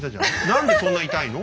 何でそんな痛いの？